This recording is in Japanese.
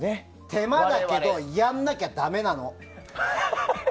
手間だけどやんなきゃダメなの。